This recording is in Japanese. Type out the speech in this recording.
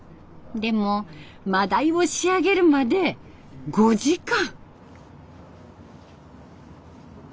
でもマダイを仕上げるまで５時間！